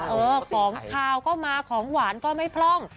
เออของขาวก็มาของหวานก็ไม่พร่อง